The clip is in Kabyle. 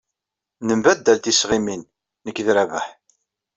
Nembaddal tisɣimin nekk d Rabaḥ.